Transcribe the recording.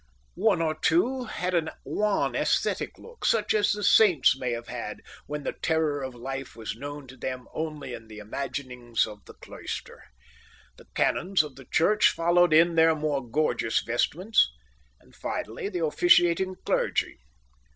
One of two had a wan ascetic look, such as the saints may have had when the terror of life was known to them only in the imaginings of the cloister. The canons of the church followed in their more gorgeous vestments, and finally the officiating clergy.